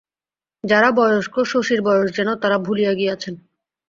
যারা বয়স্ক, শশীর বয়স যেন তারা ভুলিয়া গিয়াছেন।